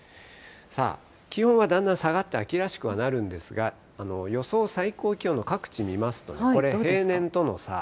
さあ、気温はだんだん下がって秋らしくはなるんですが、予想最高気温の各地見ますと、これ、平年との差。